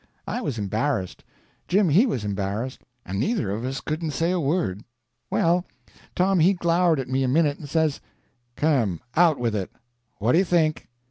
I was embarrassed, Jim he was embarrassed, and neither of us couldn't say a word. Well, Tom he glowered at me a minute, and says: "Come, out with it. What do you think?"